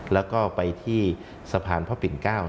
แล้วก็ไปที่สะพานพระปิ่น๙